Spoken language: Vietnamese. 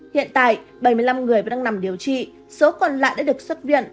hiện tại bảy mươi năm người vẫn đang nằm điều trị số còn lại đã được xuất viện